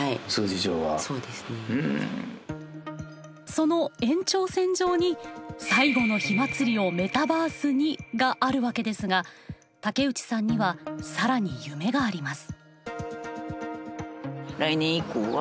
その延長線上に「最後の火祭りをメタバースに」があるわけですが竹内さんには更に夢があります。